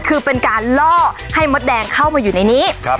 คือเป็นการล่อให้มดแดงเข้ามาอยู่ในนี้